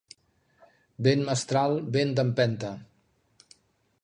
Vent mestral, vent d'empenta.